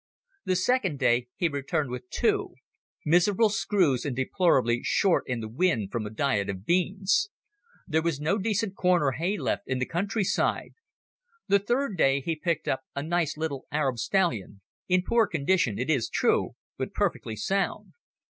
The second day he returned with two—miserable screws and deplorably short in the wind from a diet of beans. There was no decent corn or hay left in the countryside. The third day he picked up a nice little Arab stallion: in poor condition, it is true, but perfectly sound.